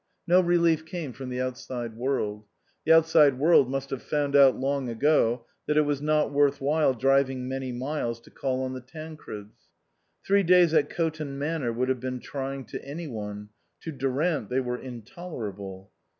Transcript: No relief came from the outside world ; the outside world must have found out long ago that it was not worth while driving many miles to call on the Tancreds. Three days at Coton Manor would have been trying to any one ; to Durant they were intoler able.